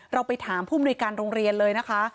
เราไปถามผู้มนุยการโรงเรียนเลยนะคะ